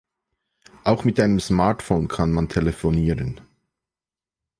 Auch mit einem Smartphone kann man telefonieren.